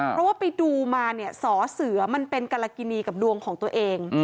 เพราะว่าไปดูมาเนี่ยสอเสือมันเป็นกรกินีกับดวงของตัวเอง